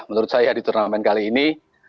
menurut saya di turnamen kali ini